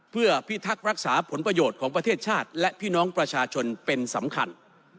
เพื่อพิทักษ์รักษาผลประโยชน์ของประเทศชาติและพี่น้องประชาชนเป็นสำคัญ